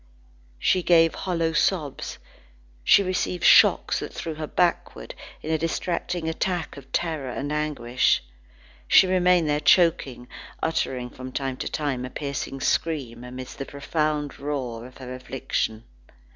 She gave hollow sobs, she received shocks that threw her backward, in a distracting attack of terror and anguish. She remained there choking, uttering from time to time a piercing scream amidst the profound roar of her affliction.